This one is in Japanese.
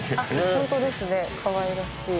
「ホントですねかわいらしい」